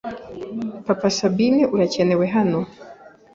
Papa Sabine urakenewe hano